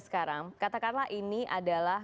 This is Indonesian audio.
sekarang katakanlah ini adalah